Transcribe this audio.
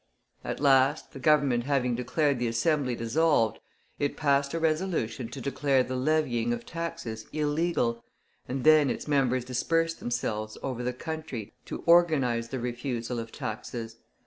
At last the Government having declared the Assembly dissolved, it passed a resolution to declare the levying of taxes illegal, and then its members dispersed themselves over the country to organize the refusal of taxes.